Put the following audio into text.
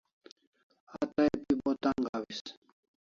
A tay pi Bo tan'g hawis